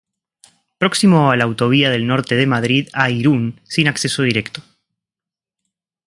Próximo a la Autovía del Norte de Madrid a Irún, sin acceso directo.